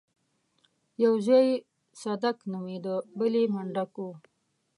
يو زوی يې صدک نومېده بل يې منډک و.